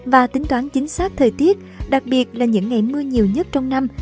và tính toán chính xác thời tiết đặc biệt là những ngày mưa nhiều nhất trong năm